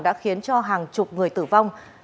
đã khiến cho hàng chục người tử vong